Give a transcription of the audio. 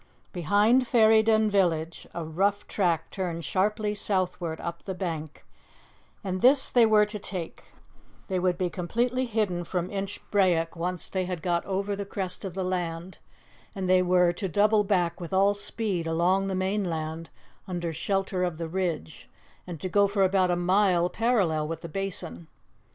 Behind Ferryden village a rough track turned sharply southward up the bank, and this they were to take; they would be completely hidden from Inchbrayock once they had got over the crest of the land, and they were to double back with all speed along the mainland under shelter of the ridge, and to go for about a mile parallel with the Basin.